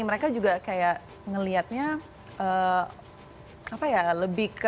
mereka juga kayak ngeliatnya apa ya lebih ke